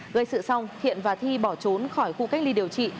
gây sự xong hiện và thi bỏ trốn khỏi khu cách ly điều trị